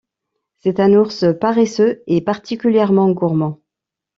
C'est un ours paresseux et particulièrement gourmand.